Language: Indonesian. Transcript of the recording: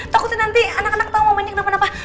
takut nanti anak anak tau momennya kenapa napa